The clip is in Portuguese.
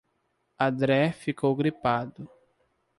Andrej ficou gripado.